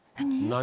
何？